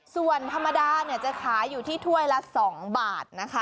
ส่วนธรรมดาจะขายอยู่ที่ถ้วยละ๒บาทนะคะ